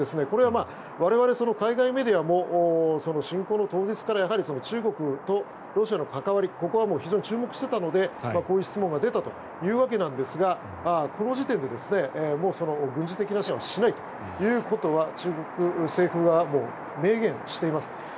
これは我々、海外メディアも侵攻の当日から中国とロシアの関わりここは非常に注目していたのでこういう質問が出たわけなんですがこの時点で、軍事的な支援はしないということは中国政府側は明言しています。